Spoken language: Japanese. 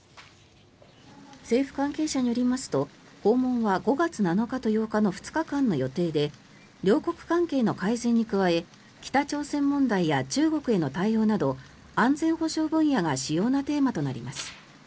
政府関係者によりますと訪問は５月７日と８日の２日間の予定で両国関係の改善に加え北朝鮮問題や中国への対応など安全保障分野が主要なテーマとなります。